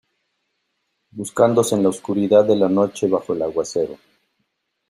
buscándose en la oscuridad de la noche bajo el aguacero.